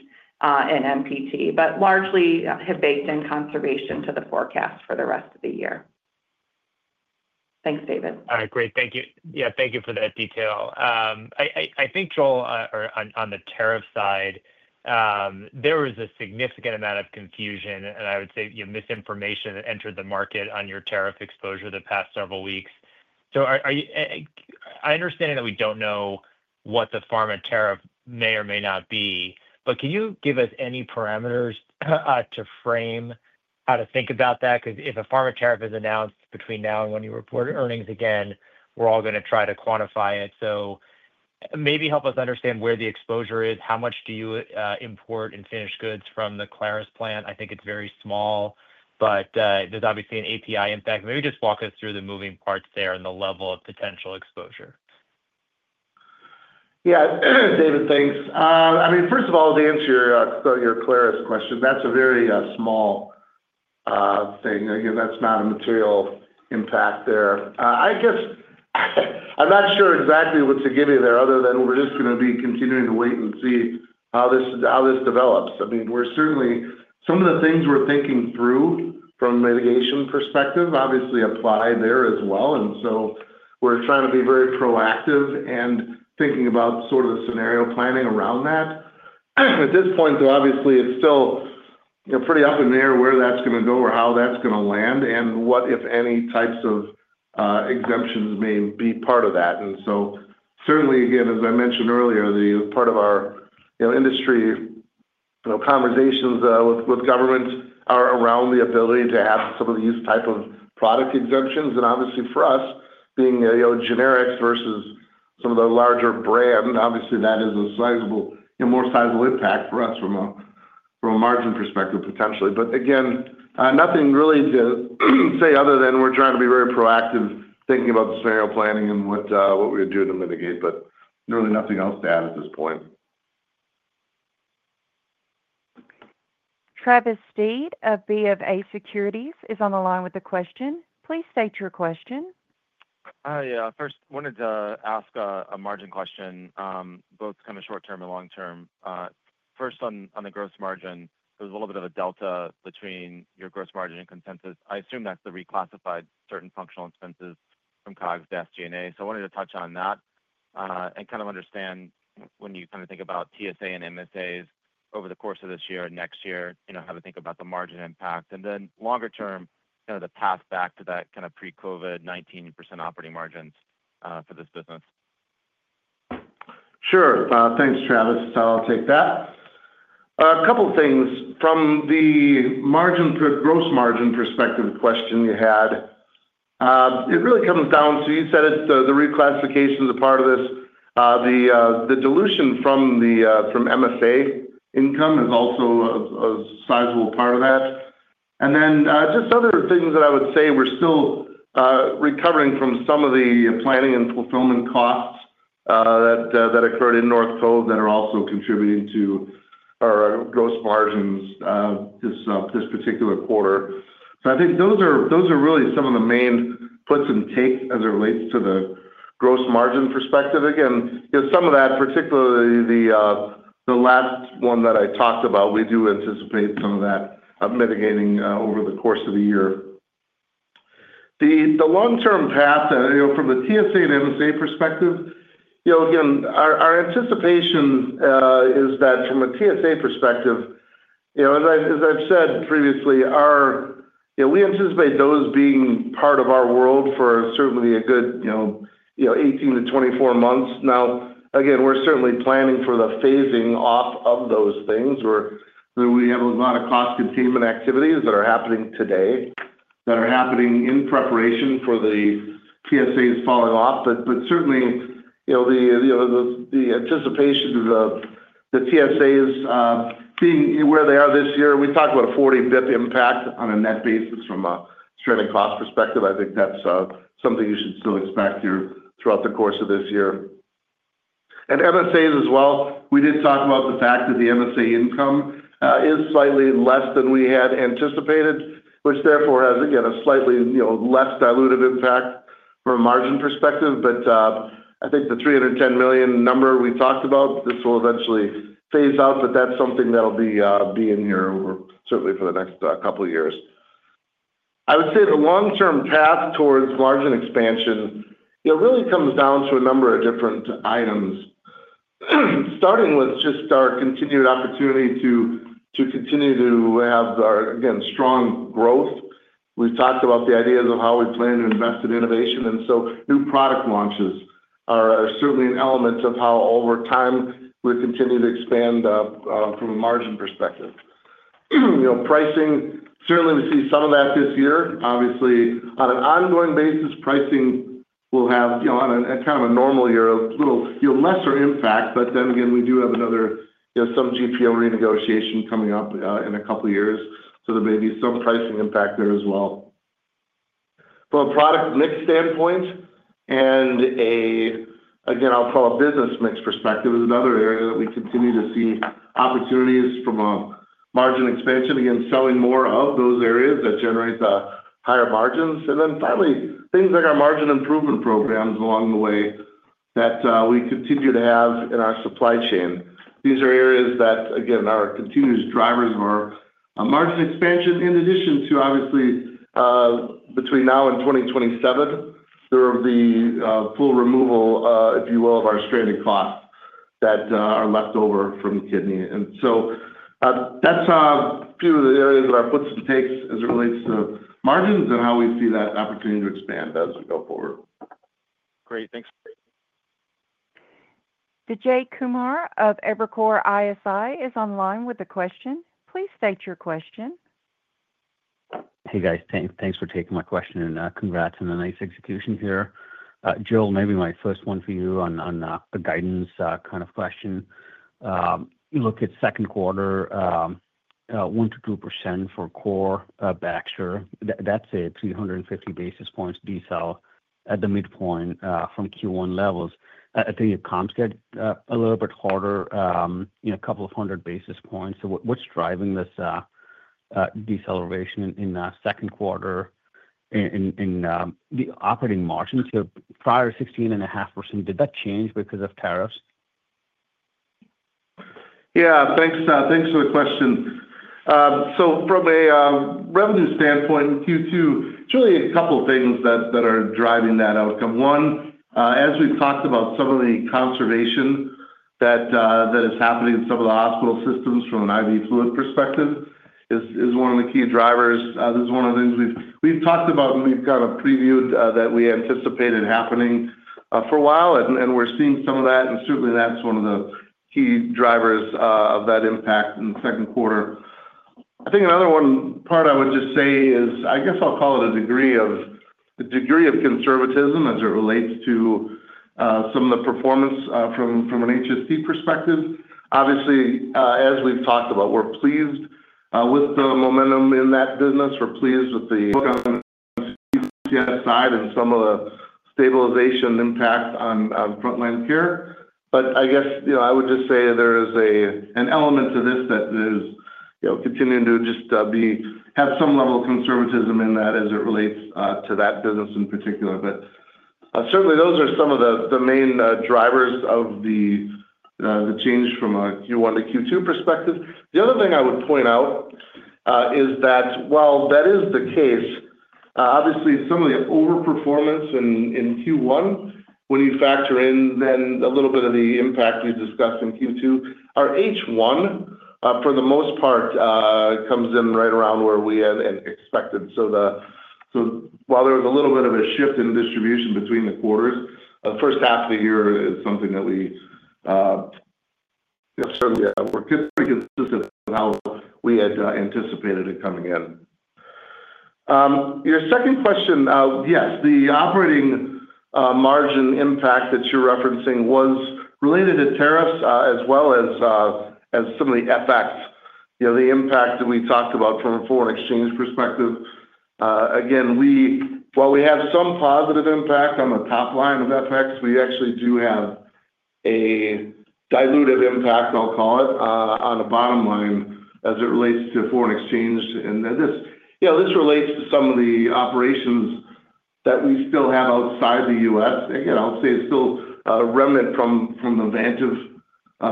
in MPT, but largely have baked in conservation to the forecast for the rest of the year. Thanks, David. All right. Great. Thank you. Yeah, thank you for that detail. I think, Joel, on the tariff side, there was a significant amount of confusion, and I would say misinformation that entered the market on your tariff exposure the past several weeks. I understand that we do not know what the pharma tariff may or may not be, but can you give us any parameters to frame how to think about that? Because if a pharma tariff is announced between now and when you report earnings again, we are all going to try to quantify it. Maybe help us understand where the exposure is. How much do you import and finish goods from the Claris plant? I think it's very small, but there's obviously an API impact. Maybe just walk us through the moving parts there and the level of potential exposure. Yeah. David, thanks. I mean, first of all, to answer your Claris question, that's a very small thing. Again, that's not a material impact there. I guess I'm not sure exactly what to give you there other than we're just going to be continuing to wait and see how this develops. I mean, certainly, some of the things we're thinking through from a mitigation perspective obviously apply there as well. We are trying to be very proactive and thinking about sort of the scenario planning around that. At this point, though, obviously, it's still pretty up in the air where that's going to go or how that's going to land and what, if any, types of exemptions may be part of that. Certainly, again, as I mentioned earlier, part of our industry conversations with governments are around the ability to have some of these types of product exemptions. Obviously, for us, being generics versus some of the larger brand, that is a more sizable impact for us from a margin perspective, potentially. Again, nothing really to say other than we're trying to be very proactive thinking about the scenario planning and what we would do to mitigate, but really nothing else to add at this point. Travis Steed of BofA Securities is on the line with the question. Please state your question. Yeah. First, wanted to ask a margin question, both kind of short-term and long-term. First, on the gross margin, there was a little bit of a delta between your gross margin and consensus. I assume that's the reclassified certain functional expenses from Cox-DAST G&A. I wanted to touch on that and kind of understand when you kind of think about TSA and MSAs over the course of this year and next year, how to think about the margin impact. Longer term, kind of the path back to that kind of pre-COVID 19% operating margins for this business. Sure. Thanks, Travis. I'll take that. A couple of things. From the gross margin perspective question you had, it really comes down to you said the reclassification is a part of this. The dilution from MSA income is also a sizable part of that. Just other things that I would say we're still recovering from some of the planning and fulfillment costs that occurred in North Cove that are also contributing to our gross margins this particular quarter. I think those are really some of the main puts and takes as it relates to the gross margin perspective. Again, some of that, particularly the last one that I talked about, we do anticipate some of that mitigating over the course of the year. The long-term path from the TSA and MSA perspective, again, our anticipation is that from a TSA perspective, as I've said previously, we anticipate those being part of our world for certainly a good 18 to 24 months. Now, again, we're certainly planning for the phasing off of those things where we have a lot of cost containment activities that are happening today that are happening in preparation for the TSAs falling off. Certainly, the anticipation of the TSAs being where they are this year, we talked about a 40 basis point impact on a net basis from a straight-up cost perspective. I think that's something you should still expect throughout the course of this year. And Heather said as well, we did talk about the fact that the MSA income is slightly less than we had anticipated, which therefore has, again, a slightly less diluted impact from a margin perspective. I think the $310 million number we talked about, this will eventually phase out, but that's something that'll be in here certainly for the next couple of years. I would say the long-term path towards margin expansion really comes down to a number of different items, starting with just our continued opportunity to continue to have, again, strong growth. We've talked about the ideas of how we plan to invest in innovation. New product launches are certainly an element of how, over time, we'll continue to expand from a margin perspective. Pricing, certainly, we see some of that this year. Obviously, on an ongoing basis, pricing will have, on a kind of a normal year, a little lesser impact. But then again, we do have some GPO renegotiation coming up in a couple of years. So there may be some pricing impact there as well. From a product mix standpoint and, again, I'll call it business mix perspective, is another area that we continue to see opportunities from a margin expansion, again, selling more of those areas that generate the higher margins. And then finally, things like our margin improvement programs along the way that we continue to have in our supply chain. These are areas that, again, are continuous drivers of our margin expansion, in addition to, obviously, between now and 2027, there will be full removal, if you will, of our straight-up costs that are left over from kidney. That's a few of the areas of our puts and takes as it relates to margins and how we see that opportunity to expand as we go forward. Great. Thanks. Vijay Kumar of Evercore ISI is online with a question. Please state your question. Hey, guys. Thanks for taking my question and congrats on the nice execution here. Joel, maybe my first one for you on the guidance kind of question. You look at second quarter, 1%-2% for core Baxter. That's a 350 basis points decel at the midpoint from Q1 levels. I think it comes a little bit harder, a couple of hundred basis points. So what's driving this deceleration in second quarter in the operating margin to prior 16.5%? Did that change because of tariffs? Yeah. Thanks for the question. From a revenue standpoint, Q2, surely a couple of things that are driving that outcome. One, as we've talked about, some of the conservation that is happening in some of the hospital systems from an IV fluid perspective is one of the key drivers. This is one of the things we've talked about, and we've kind of previewed that we anticipated happening for a while. We're seeing some of that, and certainly, that's one of the key drivers of that impact in the second quarter. I think another one part I would just say is, I guess I'll call it a degree of conservatism as it relates to some of the performance from an HST perspective. Obviously, as we've talked about, we're pleased with the momentum in that business. We're pleased with the outcome on the CS side and some of the stabilization impact on frontline care. I guess I would just say there is an element to this that is continuing to just have some level of conservatism in that as it relates to that business in particular. Certainly, those are some of the main drivers of the change from a Q1 to Q2 perspective. The other thing I would point out is that while that is the case, obviously, some of the overperformance in Q1, when you factor in then a little bit of the impact we discussed in Q2, our H1, for the most part, comes in right around where we had expected. While there was a little bit of a shift in distribution between the quarters, the first half of the year is something that we certainly were pretty consistent with how we had anticipated it coming in. Your second question, yes, the operating margin impact that you're referencing was related to tariffs as well as some of the FX, the impact that we talked about from a foreign exchange perspective. Again, while we have some positive impact on the top line of FX, we actually do have a diluted impact, I'll call it, on the bottom line as it relates to foreign exchange. This relates to some of the operations that we still have outside the U.S. Again, I'll say it's still a remnant from the Vantiv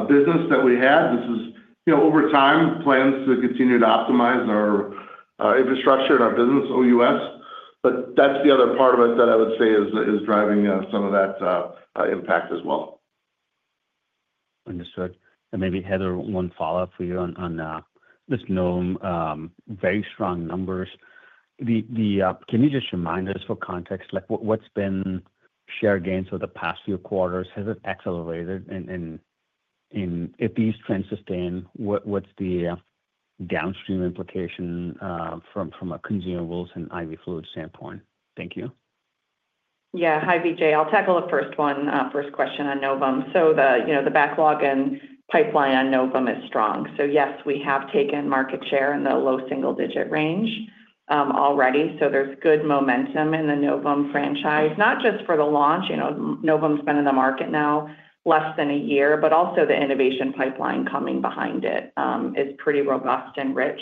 business that we had. This is over time, plans to continue to optimize our infrastructure and our business OUS. That's the other part of it that I would say is driving some of that impact as well. Understood. Maybe, Heather, one follow-up for you on this known very strong numbers. Can you just remind us for context, what's been share gains for the past few quarters? Has it accelerated? If these trends sustain, what's the downstream implication from a consumables and IV fluid standpoint? Thank you. Yeah. Hi, Vijay. I'll tackle the first question on Novum. The backlog and pipeline on Novum is strong. Yes, we have taken market share in the low single-digit range already. There is good momentum in the Novum franchise, not just for the launch. Novum's been in the market now less than a year, but also the innovation pipeline coming behind it is pretty robust and rich.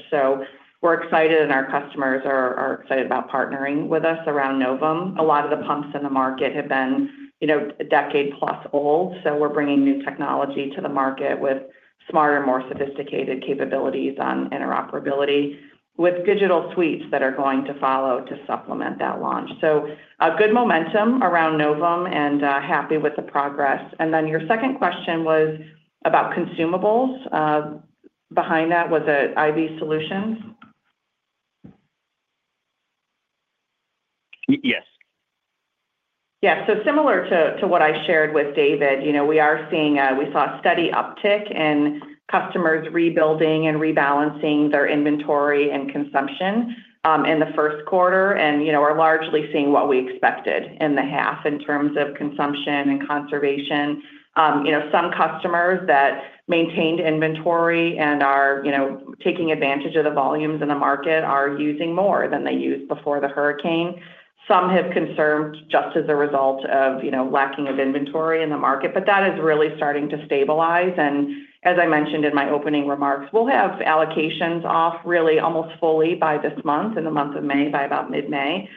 We are excited, and our customers are excited about partnering with us around Novum. A lot of the pumps in the market have been a decade-plus old. We're bringing new technology to the market with smarter, more sophisticated capabilities on interoperability with digital suites that are going to follow to supplement that launch. Good momentum around Novum and happy with the progress. Your second question was about consumables. Behind that was IV Solutions. Yes. Similar to what I shared with David, we are seeing a steady uptick in customers rebuilding and rebalancing their inventory and consumption in the first quarter and are largely seeing what we expected in the half in terms of consumption and conservation. Some customers that maintained inventory and are taking advantage of the volumes in the market are using more than they used before the hurricane. Some have conserved just as a result of lacking inventory in the market, but that is really starting to stabilize. As I mentioned in my opening remarks, we'll have allocations off really almost fully by this month, in the month of May, by about mid-May.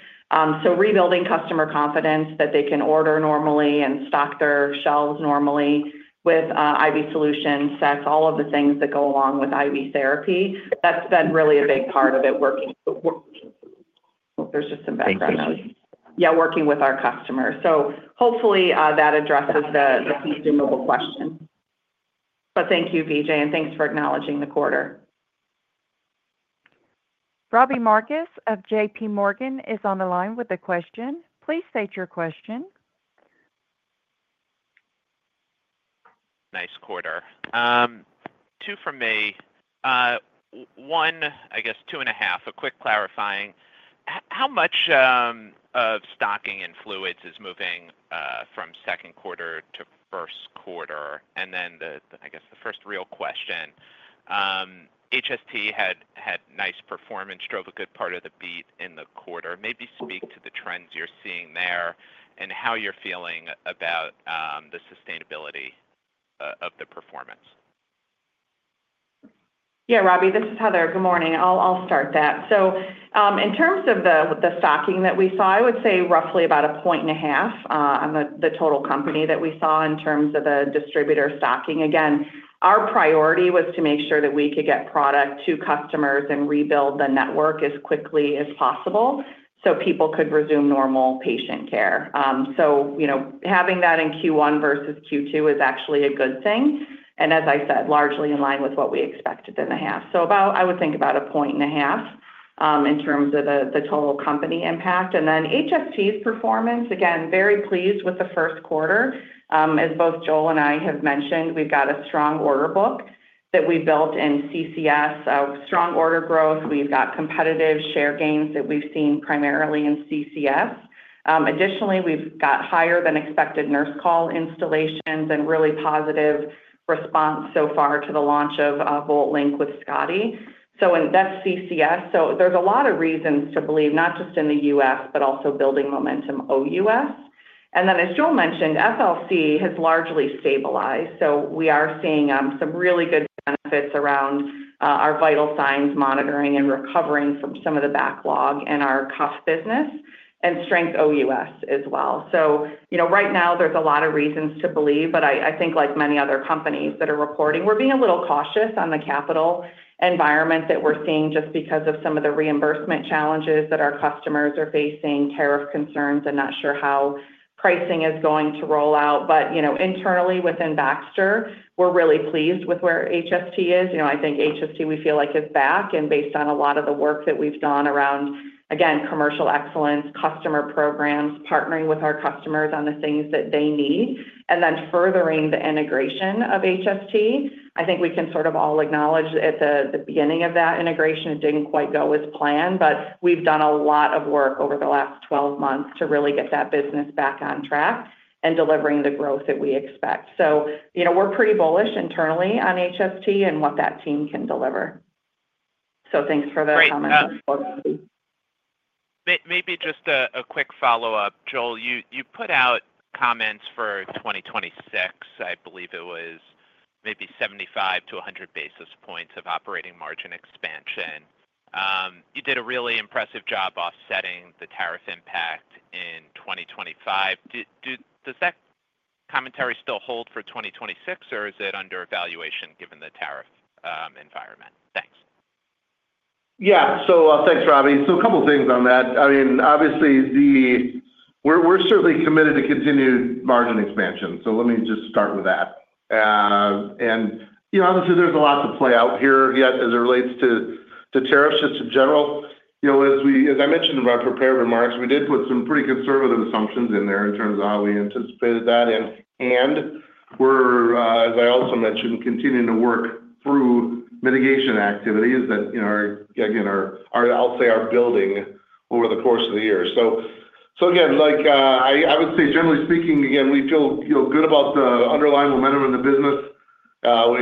Rebuilding customer confidence that they can order normally and stock their shelves normally with IV solutions, that's all of the things that go along with IV therapy. That's been really a big part of it working. There's just some background noise. Yeah, working with our customers. Hopefully that addresses the consumable question. Thank you, Vijay, and thanks for acknowledging the quarter. Robbie Marcus of J.P. Morgan is on the line with a question. Please state your question. Nice quarter. Two for me. One, I guess two and a half, a quick clarifying. How much of stocking and fluids is moving from second quarter to first quarter? I guess the first real question, HST had nice performance, drove a good part of the beat in the quarter. Maybe speak to the trends you're seeing there and how you're feeling about the sustainability of the performance. Yeah, Robbie, this is Heather. Good morning. I'll start that. In terms of the stocking that we saw, I would say roughly about a point and a half on the total company that we saw in terms of the distributor stocking. Again, our priority was to make sure that we could get product to customers and rebuild the network as quickly as possible so people could resume normal patient care. Having that in Q1 versus Q2 is actually a good thing. As I said, largely in line with what we expected in the half. I would think about a point and a half in terms of the total company impact. HST's performance, again, very pleased with the first quarter. As both Joel and I have mentioned, we've got a strong order book that we built in CCS, strong order growth. We've got competitive share gains that we've seen primarily in CCS. Additionally, we've got higher than expected nurse call installations and really positive response so far to the launch of VoltLink with Scotty. That's CCS. There are a lot of reasons to believe, not just in the U.S., but also building momentum OUS. As Joel mentioned, FLC has largely stabilized. We are seeing some really good benefits around our vital signs monitoring and recovering from some of the backlog in our cuff business and strength OUS as well. Right now, there's a lot of reasons to believe, but I think, like many other companies that are reporting, we're being a little cautious on the capital environment that we're seeing just because of some of the reimbursement challenges that our customers are facing, tariff concerns. I'm not sure how pricing is going to roll out. Internally, within Baxter, we're really pleased with where HST is. I think HST, we feel like, is back. Based on a lot of the work that we've done around, again, commercial excellence, customer programs, partnering with our customers on the things that they need, and then furthering the integration of HST, I think we can sort of all acknowledge at the beginning of that integration, it didn't quite go as planned, but we've done a lot of work over the last 12 months to really get that business back on track and delivering the growth that we expect. We're pretty bullish internally on HST and what that team can deliver. Thanks for the comments. Great. Maybe just a quick follow-up. Joel, you put out comments for 2026, I believe it was maybe 75 to 100 basis points of operating margin expansion. You did a really impressive job offsetting the tariff impact in 2025. Does that commentary still hold for 2026, or is it under evaluation given the tariff environment? Thanks. Yeah. Thanks, Robbie. A couple of things on that. I mean, obviously, we're certainly committed to continued margin expansion. Let me just start with that. Obviously, there's a lot to play out here yet as it relates to tariffs just in general. As I mentioned in my prepared remarks, we did put some pretty conservative assumptions in there in terms of how we anticipated that. As I also mentioned, we are continuing to work through mitigation activities that, again, I'll say are building over the course of the year. Again, I would say, generally speaking, we feel good about the underlying momentum in the business.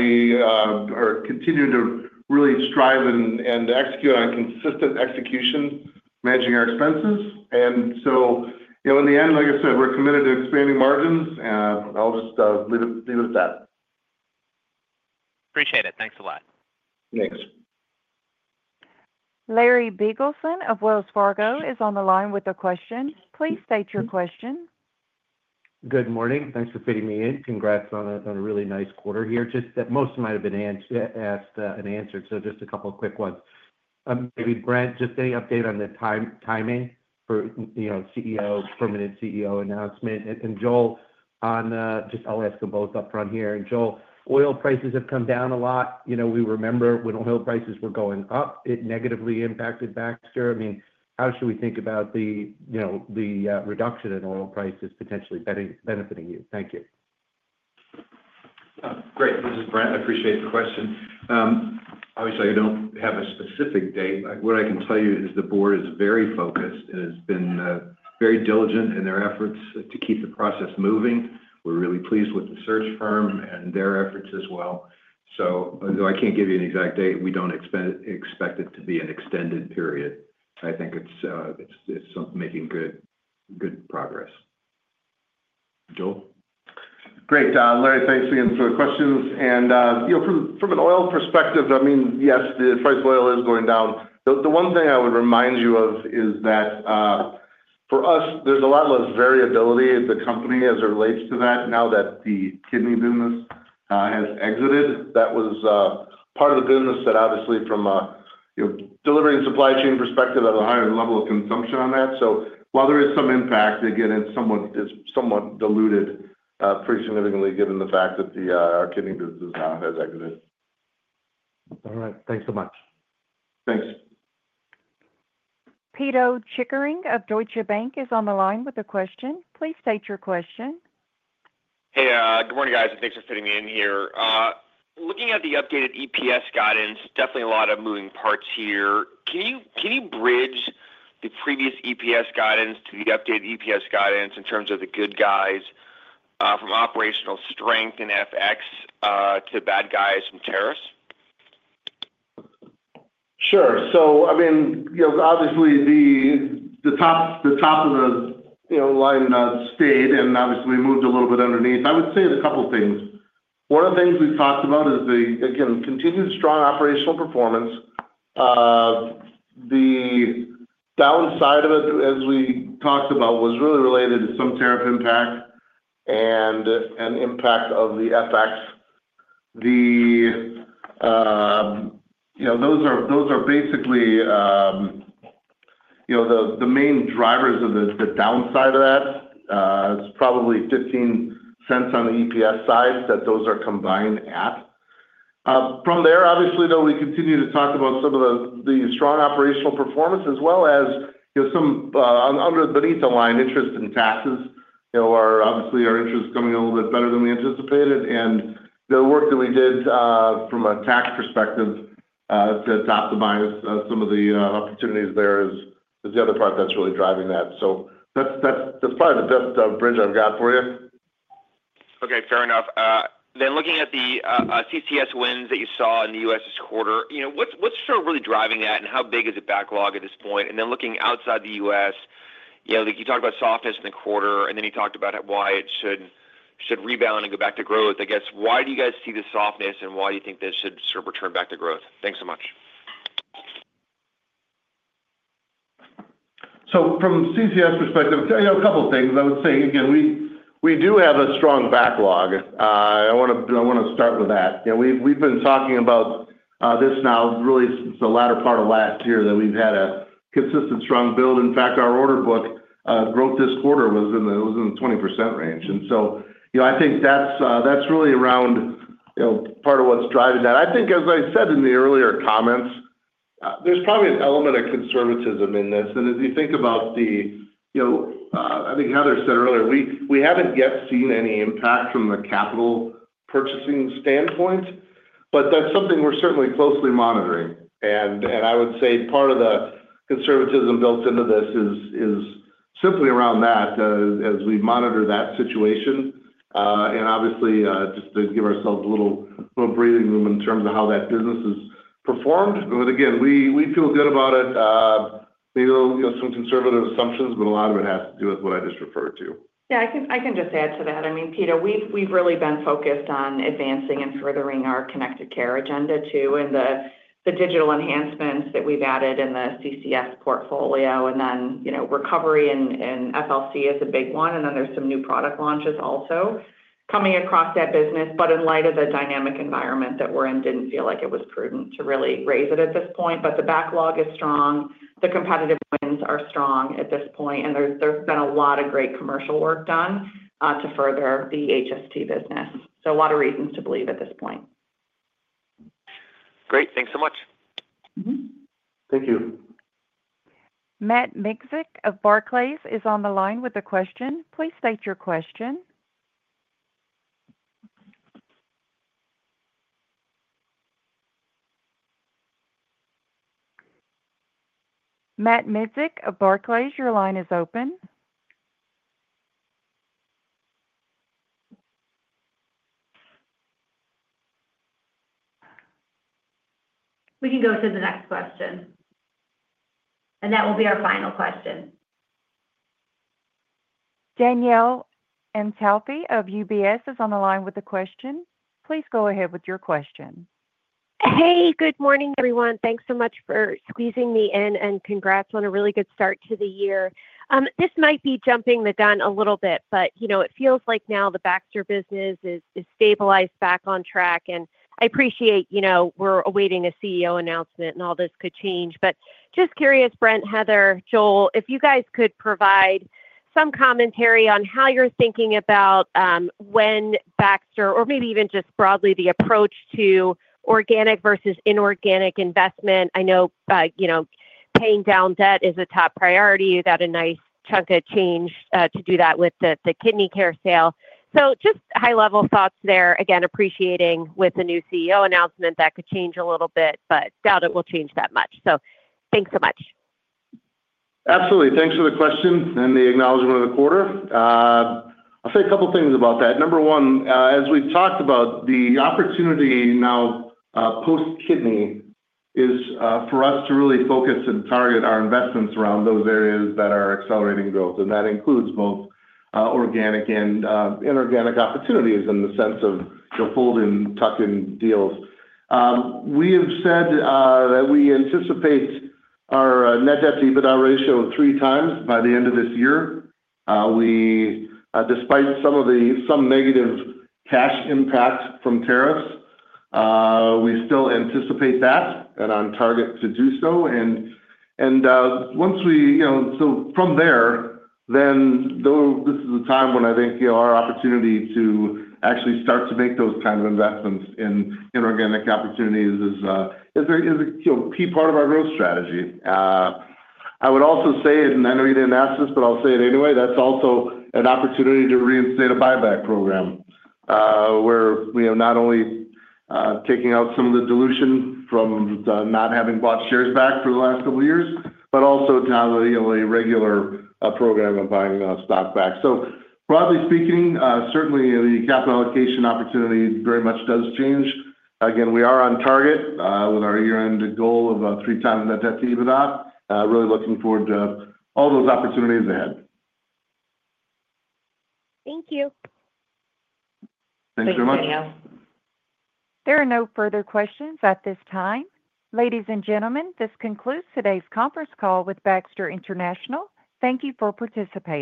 We are continuing to really strive and execute on consistent execution, managing our expenses. In the end, like I said, we're committed to expanding margins. I'll just leave it at that. Appreciate it. Thanks a lot. Thanks. Larry Biegelsen of Wells Fargo is on the line with a question. Please state your question. Good morning. Thanks for fitting me in. Congrats on a really nice quarter here. Most of them might have been asked and answered, so just a couple of quick ones. Maybe, Brent, just any update on the timing for CEO, permanent CEO announcement. And Joel, just I'll ask them both upfront here. And Joel, oil prices have come down a lot. We remember when oil prices were going up, it negatively impacted Baxter. I mean, how should we think about the reduction in oil prices potentially benefiting you? Thank you. Great. This is Brent. I appreciate the question. Obviously, I don't have a specific date. What I can tell you is the board is very focused and has been very diligent in their efforts to keep the process moving. We're really pleased with the search firm and their efforts as well. Though I can't give you an exact date, we don't expect it to be an extended period. I think it's making good progress. Joel? Great. Larry, thanks again for the questions. From an oil perspective, I mean, yes, the price of oil is going down. The one thing I would remind you of is that for us, there's a lot less variability at the company as it relates to that now that the kidney business has exited. That was part of the goodness that obviously, from a delivery and supply chain perspective, there's a higher level of consumption on that. While there is some impact, again, it's somewhat diluted pretty significantly given the fact that our kidney business has exited. All right. Thanks so much. Thanks. Pito Chickering of Deutsche Bank is on the line with a question. Please state your question. Hey, good morning, guys. Thanks for fitting me in here. Looking at the updated EPS guidance, definitely a lot of moving parts here. Can you bridge the previous EPS guidance to the updated EPS guidance in terms of the good guys from operational strength and FX to the bad guys from tariffs? Sure. I mean, obviously, the top of the line stayed and obviously moved a little bit underneath. I would say a couple of things. One of the things we've talked about is the, again, continued strong operational performance. The downside of it, as we talked about, was really related to some tariff impact and impact of the FX. Those are basically the main drivers of the downside of that. It's probably $0.15 on the EPS side that those are combined at. From there, obviously, though, we continue to talk about some of the strong operational performance as well as some underneath the line interest in taxes. Obviously, our interest is coming a little bit better than we anticipated. The work that we did from a tax perspective to top the minus, some of the opportunities there is the other part that's really driving that. That's probably the best bridge I've got for you. Okay. Fair enough. Then looking at the CCS wins that you saw in the U.S. this quarter, what's really driving that, and how big is it backlog at this point? Looking outside the U.S., you talked about softness in the quarter, and then you talked about why it should rebound and go back to growth. I guess, why do you guys see the softness, and why do you think this should sort of return back to growth? Thanks so much. From a CCS perspective, a couple of things. I would say, again, we do have a strong backlog. I want to start with that. We've been talking about this now really since the latter part of last year that we've had a consistent strong build. In fact, our order book growth this quarter was in the 20% range. I think that's really around part of what's driving that. I think, as I said in the earlier comments, there's probably an element of conservatism in this. As you think about the, I think Heather said earlier, we haven't yet seen any impact from the capital purchasing standpoint, but that's something we're certainly closely monitoring. I would say part of the conservatism built into this is simply around that as we monitor that situation. Obviously, just to give ourselves a little breathing room in terms of how that business has performed. Again, we feel good about it. Maybe some conservative assumptions, but a lot of it has to do with what I just referred to. Yeah. I can just add to that. I mean, Pete, we've really been focused on advancing and furthering our connected care agenda too and the digital enhancements that we've added in the CCS portfolio. Recovery in FLC is a big one. There are some new product launches also coming across that business. In light of the dynamic environment that we're in, didn't feel like it was prudent to really raise it at this point. The backlog is strong. The competitive wins are strong at this point. There's been a lot of great commercial work done to further the HST business. A lot of reasons to believe at this point. Great. Thanks so much. Thank you. Matt Miksic of Barclays is on the line with a question. Please state your question. Matt Miksic of Barclays, your line is open. We can go to the next question. That will be our final question. Danielle Antalffy of UBS is on the line with a question. Please go ahead with your question. Hey, good morning, everyone. Thanks so much for squeezing me in. Congrats on a really good start to the year. This might be jumping the gun a little bit, but it feels like now the Baxter business is stabilized back on track. I appreciate we're awaiting a CEO announcement and all this could change. Just curious, Brent, Heather, Joel, if you guys could provide some commentary on how you're thinking about when Baxter, or maybe even just broadly the approach to organic versus inorganic investment. I know paying down debt is a top priority. You got a nice chunk of change to do that with the kidney care sale. Just high-level thoughts there. Again, appreciating with the new CEO announcement that could change a little bit, but doubt it will change that much. Thanks so much. Absolutely. Thanks for the question and the acknowledgment of the quarter. I'll say a couple of things about that. Number one, as we've talked about, the opportunity now post-kidney is for us to really focus and target our investments around those areas that are accelerating growth. That includes both organic and inorganic opportunities in the sense of folding, tucking deals. We have said that we anticipate our net debt to EBITDA ratio of three times by the end of this year. Despite some negative cash impact from tariffs, we still anticipate that and are on target to do so. Once we are there, this is the time when I think our opportunity to actually start to make those kinds of investments in inorganic opportunities is a key part of our growth strategy. I would also say, and I know you did not ask this, but I will say it anyway, that is also an opportunity to reinstate a buyback program where we are not only taking out some of the dilution from not having bought shares back for the last couple of years, but also now a regular program of buying stock back. Broadly speaking, certainly the capital allocation opportunity very much does change. Again, we are on target with our year-end goal of three times net debt to EBITDA. Really looking forward to all those opportunities ahead. Thank you. Thanks very much. Thank you, Danielle. There are no further questions at this time. Ladies and gentlemen, this concludes today's conference call with Baxter International. Thank you for participating.